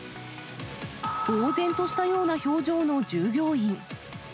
ぼう然としたような表情の従業員。